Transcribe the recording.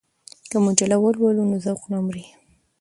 که مجله ولولو نو ذوق نه مري.